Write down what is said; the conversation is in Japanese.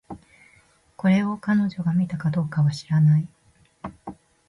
これを、彼女が見たのかどうかは知らない